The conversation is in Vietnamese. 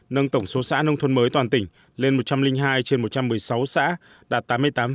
nâng tổng số xã nông thôn mới toàn tỉnh lên một trăm linh hai trên một trăm một mươi sáu xã đạt tám mươi tám